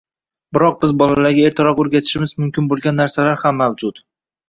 Biroq biz bolalarga ertaroq o‘rgatishimiz mumkin bo‘lgan narsalar ham mavjud.